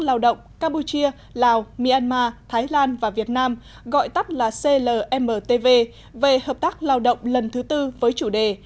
lao động campuchia lào myanmar thái lan và việt nam gọi tắt là clmtv về hợp tác lao động lần thứ tư với chủ đề